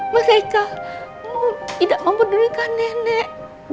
mereka tidak mempedulikan nenek